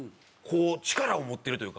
力を持ってるというか。